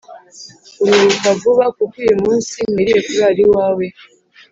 Ururuka Vuba Kuko Uyu Munsi Nkwiriye Kurara iwawe